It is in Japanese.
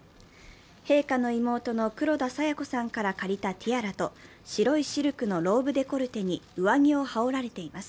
陛下の妹の黒田清子さんから借りたティアラと、白いシルクのローブデコルテに上着を羽織られています。